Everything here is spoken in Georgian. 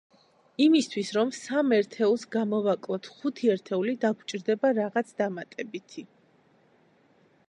იმისთვის, რომ სამ ერთეულს გამოვაკლოთ ხუთი ერთეული დაგვჭირდება რაღაც დამატებითი.